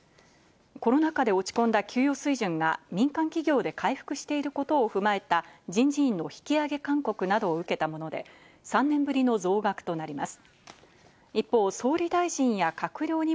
この中で落ち込んだ給与水準が民間企業で回復していることを踏まえた、人事院の引き上げ勧告などを受けたもので３年ぶりの増額となります。